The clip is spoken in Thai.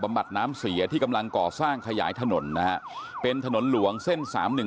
บัดน้ำเสียที่กำลังก่อสร้างขยายถนนนะฮะเป็นถนนหลวงเส้นสามหนึ่ง